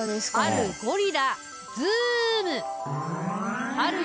あるゴリラズーム！